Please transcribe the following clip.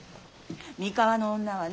三河の女はね